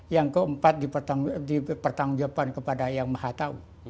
yang keempat dipertanggungjawabkan kepada yang maha tahu